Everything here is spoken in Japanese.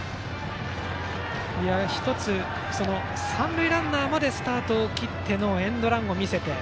１つ、三塁ランナーまでスタートを切ってのエンドランを見せて。